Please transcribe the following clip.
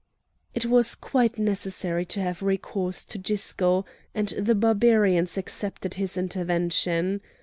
It was quite necessary to have recourse to Gisco, and the Barbarians accepted his intervention.